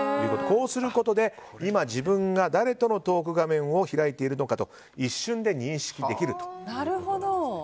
こうすることで今自分が誰とのトーク画面を開いているのか一瞬で認識できると。